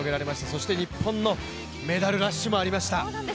そして日本のメダルラッシュもありました。